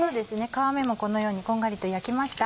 皮目もこのようにこんがりと焼けました。